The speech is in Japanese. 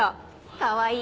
かわいい。